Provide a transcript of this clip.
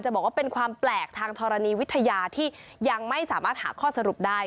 บอกว่าเป็นความแปลกทางธรณีวิทยาที่ยังไม่สามารถหาข้อสรุปได้